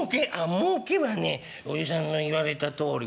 もうけはねおじさんの言われたとおりこれだよ」。